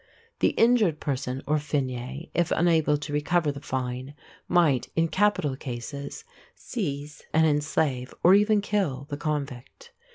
The injured person or fine, if unable to recover the fine, might, in capital cases, seize and enslave, or even kill, the convict.